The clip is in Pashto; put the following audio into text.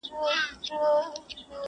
زړونه صبر فیصلو د شنه اسمان ته!